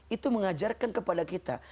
itu mengajarkan kepada kita